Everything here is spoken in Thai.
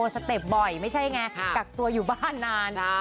สเต็ปบ่อยไม่ใช่ไงกักตัวอยู่บ้านนาน